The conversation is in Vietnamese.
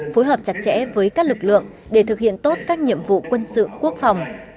phối hợp chặt chẽ với các lực lượng để thực hiện tốt các nhiệm vụ quân sự quốc phòng